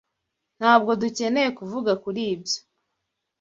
Ntabwo dukeneye kuvuga kuri ibyo.